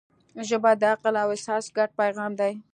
ژبه د عقل او احساس ګډ پیغام دی